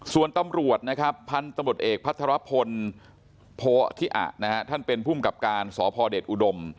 ส่วนตำรวจพันธุ์ตำรวจเอกพัฒนภนโพธิอะท่านเป็นผู้มกับการสพอุดม